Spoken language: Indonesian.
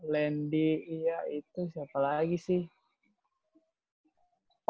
lendy iya itu siapa lagi sih